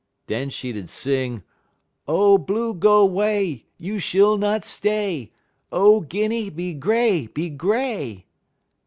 Den she 'ud sing: "'_Oh, Blue, go 'way! you shill not stay! Oh, Guinny, be Gray, be Gray!